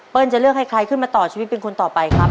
จะเลือกให้ใครขึ้นมาต่อชีวิตเป็นคนต่อไปครับ